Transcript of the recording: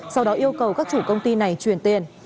sau đó yêu cầu các chủ công ty này chuyển tiền